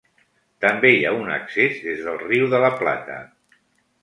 També hi ha un accés des del Riu de la Plata.